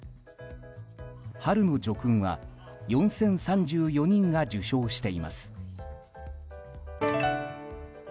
春の叙勲は４０３４人が受章しています。